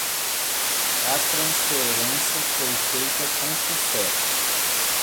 A transferência foi feita com sucesso